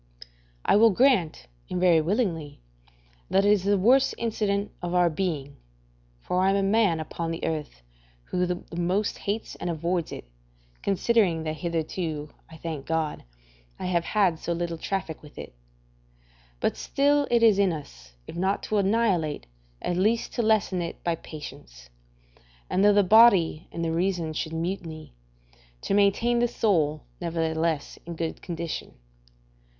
I will grant, and very willingly, that it is the worst incident of our being (for I am the man upon earth who the most hates and avoids it, considering that hitherto, I thank God, I have had so little traffic with it), but still it is in us, if not to annihilate, at least to lessen it by patience; and though the body and the reason should mutiny, to maintain the soul, nevertheless, in good condition.